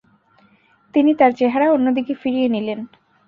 তিনি তাঁর চেহারা অন্য দিকে ফিরিয়ে নিলেন।